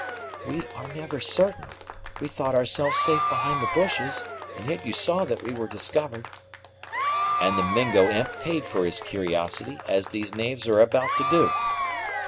"We are never certain. We thought ourselves safe behind the bushes, and yet you saw that we were discovered." "And the Mingo imp paid for his curiosity, as these knaves are about to do."